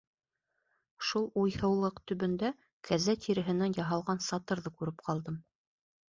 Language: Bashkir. Шул уйһыулыҡ төбөндә кәзә тиреһенән яһалған сатырҙы күреп ҡалдым.